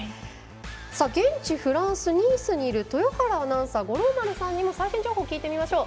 現地フランス・ニースにいる豊原アナウンサー五郎丸さんにも最新情報を聞いてみましょう。